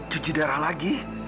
cuci darah lagi